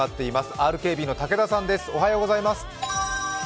ＲＫＢの武田さんです。